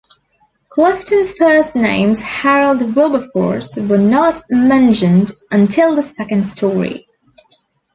Clifton's first names Harold Wilberforce were not mentioned until the second story.